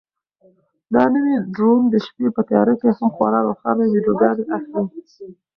دا نوی ډرون د شپې په تیاره کې هم خورا روښانه ویډیوګانې اخلي.